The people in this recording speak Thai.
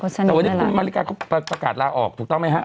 แต่วันนี้คุณมาริกาเขาประกาศลาออกถูกต้องไหมฮะ